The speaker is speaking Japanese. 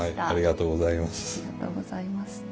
ありがとうございます。